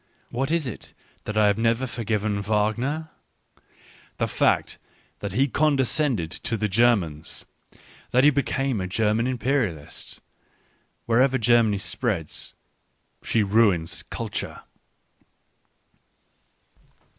... What is it that I have t never forgiven Wagner ? The fact that he conde | scended to the Germans — that he became a German r Imperialist ... Wherever Germany spreads, she] ruins culture.